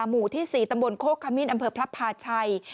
หมู่ที่๔ตำบลโคกขมิ้นอำเภอพระพาชัย